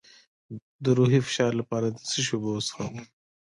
د روحي فشار لپاره د څه شي اوبه وڅښم؟